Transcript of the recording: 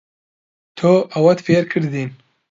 تۆ ئەوەت فێر کردین.